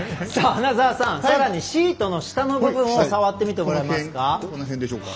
穴澤さん、さらにシートの下の部分を触ってみてもらえますか。